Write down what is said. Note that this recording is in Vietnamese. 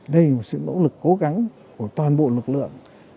đây là một sự nỗ lực cố gắng của toàn bộ lực lượng